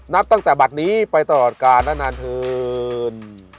นับตั้งแต่บัตรนี้ไปตลอดกาลนานเถิน